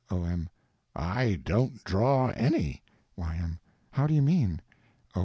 O.M. I don't draw any. Y.M. How do you mean? O.